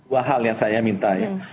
dua hal yang saya minta ya